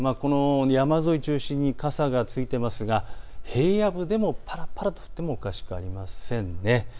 山沿いを中心に傘がついてますが、平野部でもぱらぱらと降ってもおかしくありません。